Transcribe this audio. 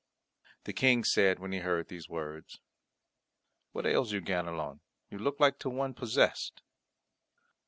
The King said when he heard these words, "What ails you, Ganelon? You look like to one possessed."